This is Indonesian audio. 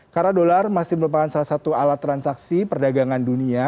karena dolar masih merupakan salah satu alat transaksi perdagangan dunia